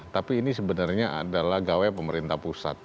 tapi ini sebenarnya adalah gawai pemerintah pusat